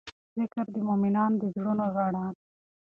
ذکر د مؤمنانو د زړونو رڼا ده.